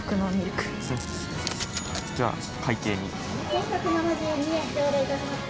１，１７２円頂戴いたします。